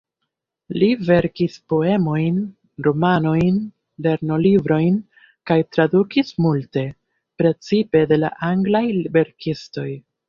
Li verkis poemojn, romanojn, lernolibrojn kaj tradukis multe, precipe de la anglaj verkistoj.